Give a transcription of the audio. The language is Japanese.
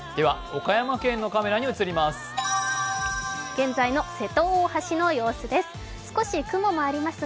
岡山県のカメラに移ります。